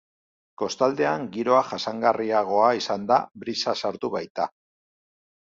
Kostaldean giroa jasangarriagoa izan da brisa sartu baita.